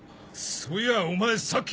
そういやお前さっき。